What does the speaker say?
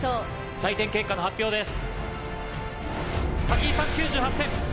採点結果の発表です。